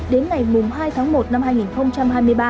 đến ngày hai tháng một năm hai nghìn hai mươi ba